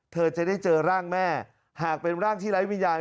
เธอจะได้เจอร่างแม่หากเป็นร่างที่ไร้วิญญาณ